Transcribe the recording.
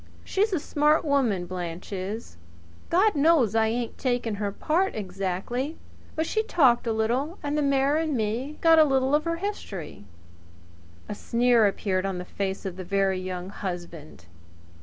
She's a smart woman, Blanche is! She's saved her money. God knows I ain't taking her part exactly; but she talked a little, and the mayor and me got a little of her history." A sneer appeared on the face of the Very Young Husband.